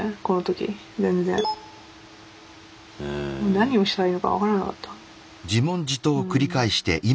何をしたらいいのか分からなかった。